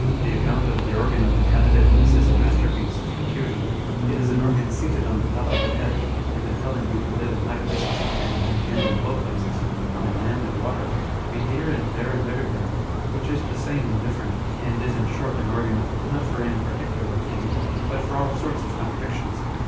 The account of the organ of inhabitiveness is a master piece of confusion. It is an organ seated on the top of the head, and impelling you to live in high places, and then again in low places ; on land and water ; to be here and there and everywhere ; which is the same and different, and is in short an organ, not for any particular thing, but for all sorts of contradictions.